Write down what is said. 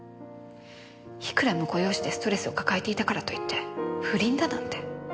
いくら婿養子でストレスを抱えていたからといって不倫だなんて。